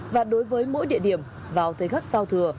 và đối với mỗi địa điểm vào thời khắc sau thừa